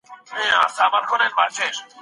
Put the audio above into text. د انسان کرامت له نورو ټولو مخلوقاتو زيات دی.